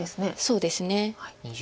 そうですね。